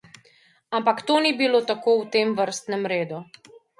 Ampak to ni bilo tako v tem vrstnem redu.